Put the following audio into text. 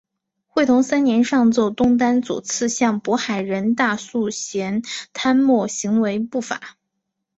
会同三年上奏东丹左次相渤海人大素贤贪墨行为不法。